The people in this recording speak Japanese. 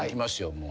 もう。